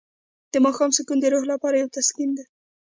د ماښام سکون د روح لپاره یو تسکین دی.